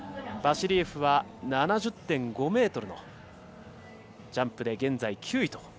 バシリエフは７０．５ｍのジャンプで現在９位。